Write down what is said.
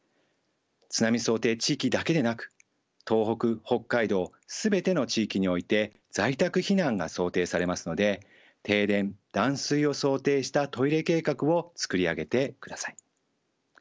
津波想定地域だけでなく東北北海道全ての地域において在宅避難が想定されますので停電断水を想定したトイレ計画を作り上げてください。